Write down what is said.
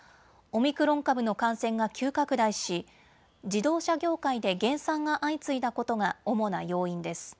オミクロン株の感染が急拡大し自動車業界で減産が相次いだことが主な要因です。